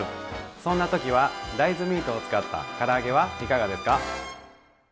そんな時は大豆ミートを使ったから揚げはいかがですか？